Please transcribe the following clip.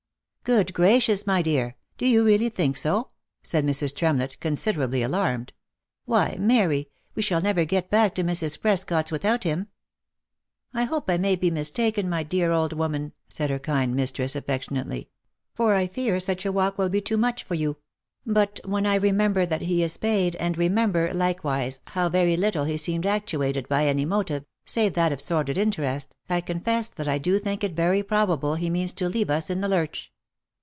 "Good gracious, my dear! do you really think so?" said Mrs. Tremlett, considerably alarmed. " Why, Mary, we shall never get back to Mrs. Prescot's without him !"" I hope I may be mistaken, my dear old woman," said her kind mistress, affectionately; " for I fear such a walk would be too much for you. But when I remember that he is paid, and remember, like wise, how very little he seemed actuated by any motive, save that of sordid interest, I confess that I do think it very probable he means to leave us in the lurch."